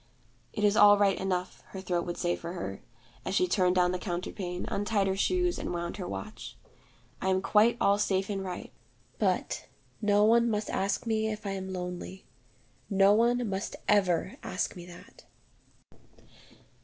'It is all right enough,' her throat would say for her, as she turned down the counterpane, untied her shoes, and wound her watch. 'I am quite all safe and right. But no one must ask me if I am lonely. No one must ever ask me that.'